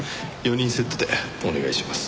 ４人セットでお願いします。